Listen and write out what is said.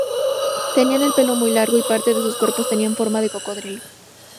Tenían el pelo muy largo, y parte de sus cuerpos tenían forma de cocodrilo.